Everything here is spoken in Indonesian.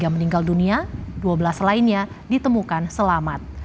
tiga meninggal dunia dua belas lainnya ditemukan selamat